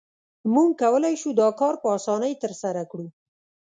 موږ کولای شو دا کار په اسانۍ ترسره کړو